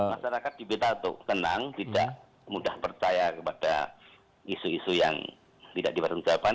masyarakat di b satu tenang tidak mudah percaya kepada isu isu yang tidak dipertanggungjawabkan